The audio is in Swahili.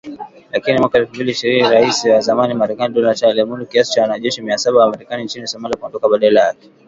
Lakini mwaka elfu mbili ishirini Rais wa zamani Marekani Donald Trump aliamuru kiasi cha wanajeshi Mia saba wa Marekani nchini Somalia kuondoka badala yake